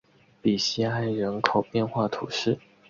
比西埃人口变化图示